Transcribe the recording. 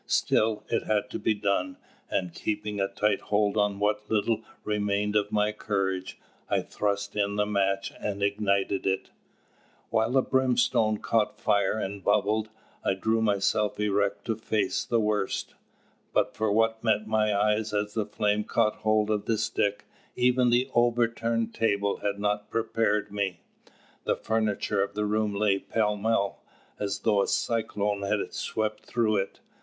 Still, it had to be done; and, keeping a tight hold on what little remained of my courage, I thrust in the match and ignited it. While the brimstone caught fire and bubbled I drew myself erect to face the worst. But for what met my eyes as the flame caught hold of the stick, even the overturned table had not prepared me. The furniture of the room lay pell mell, as though a cyclone had swept through it.